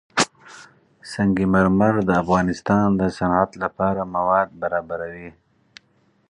سنگ مرمر د افغانستان د صنعت لپاره مواد برابروي.